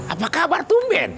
apa kabar tuh ben